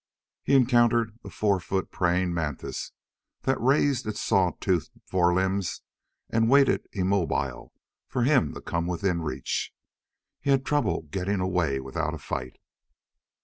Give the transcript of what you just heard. He encountered a four foot praying mantis that raised its saw toothed forelimbs and waited immobile for him to come within reach. He had trouble getting away without a fight.